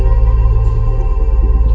ia atau dia